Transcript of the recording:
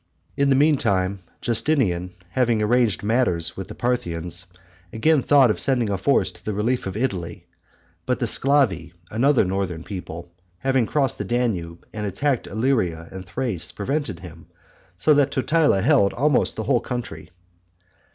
In the meantime, Justinian having arranged matters with the Parthians, again thought of sending a force to the relief of Italy; but the Sclavi, another northern people, having crossed the Danube and attacked Illyria and Thrace, prevented him, so that Totila held almost the whole country.